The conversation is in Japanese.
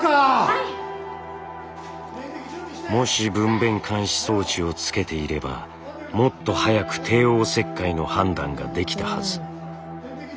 もし分娩監視装置をつけていればもっと早く帝王切開の判断ができたはず。